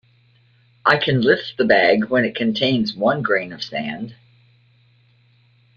I can lift the bag when it contains one grain of sand.